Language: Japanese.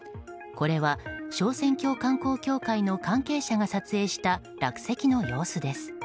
これは昇仙峡観光協会の関係者が撮影した落石の様子です。